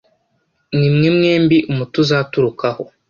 Ni mwe mwembi umuti uzaturukaho,